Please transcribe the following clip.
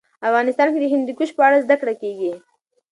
افغانستان کې د هندوکش په اړه زده کړه کېږي.